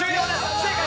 不正解。